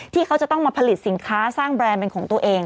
ที่เขาจะต้องมาผลิตสินค้าสร้างแบรนด์เป็นของตัวเอง